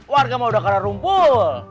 warga mah udah kadang rumpul